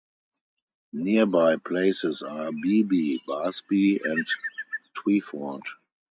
Nearby places are Beeby, Barsby and Twyford.